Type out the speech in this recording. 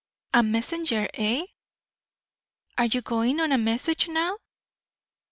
"A messenger, eh? Are you going on a message now?"